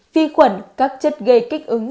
phi khuẩn các chất gây kích ứng